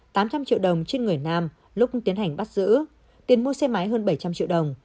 tám trăm linh triệu đồng trên người nam lúc tiến hành bắt giữ tiền mua xe máy hơn bảy trăm linh triệu đồng